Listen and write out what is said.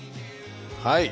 はい！